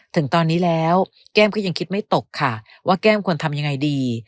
ถึงตอนนี้แล้วแก้มก็ยังคิดไม่ตกค่ะว่าแก้มควรทำยังไงดี